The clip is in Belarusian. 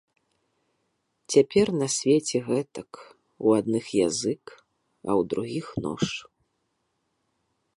Цяпер на свеце гэтак, у адных язык, а ў другіх нож.